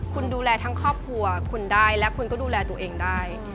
คุณดูแลทั้งครอบครัวคุณได้และคุณก็ดูแลตัวเองได้